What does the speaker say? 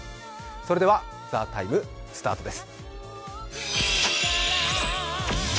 それでは「ＴＨＥＴＩＭＥ，」スタートです。